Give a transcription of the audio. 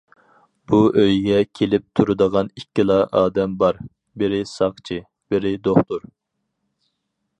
بۇ ئۆيگە كېلىپ تۇرىدىغان ئىككىلا ئادەم بار، بىرى ساقچى، بىرى دوختۇر.